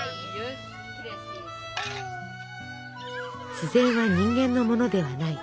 自然は人間のものではない。